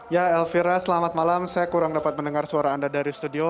ya elvira selamat malam saya kurang dapat mendengar suara anda dari studio